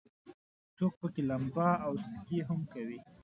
څوک پکې لمبا او سکي هم کوي.